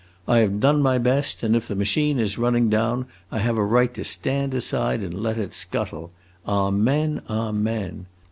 I have done my best, and if the machine is running down I have a right to stand aside and let it scuttle. Amen, amen!